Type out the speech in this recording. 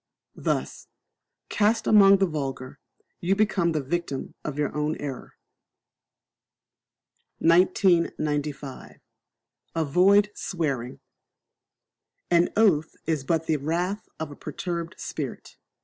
Thus, cast among the vulgar, you become the victim of your own error. 1995. Avoid Swearing. An oath is but the wrath of a perturbed spirit.